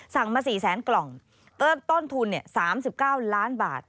สั่งมา๔แสนกล่องต้นทุน๓๙ล้านบาท